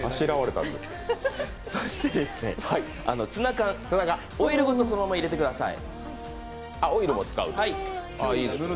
そしてツナ缶、オイルごとそのまま入れてください。